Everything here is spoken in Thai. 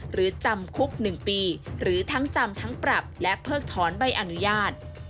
จำคุก๑ปีหรือทั้งจำทั้งปรับและเพิกถอนใบอนุญาต